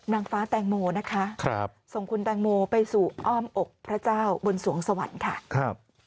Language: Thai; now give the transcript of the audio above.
นางฟ้าแตงโมนะคะส่งคุณแตงโมไปสู่อ้อมอกพระเจ้าบนสวงสวรรค์ค่ะครับ